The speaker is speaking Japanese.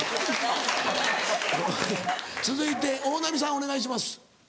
続いて大波さんお願いします。